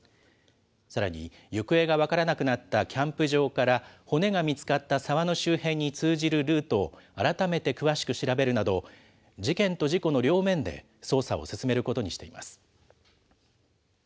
さらに、行方が分からなくなったキャンプ場から、骨が見つかった沢の周辺に通じるルートを、改めて詳しく調べるなど、事件と事故の両面で捜査を進めることにしています。